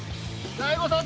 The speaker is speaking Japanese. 大悟さん。